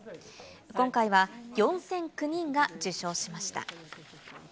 今回は４００９人が受章しました。